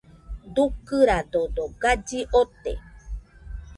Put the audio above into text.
Dukɨradodo galli ote.